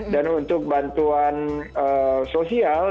dan untuk bantuan sosial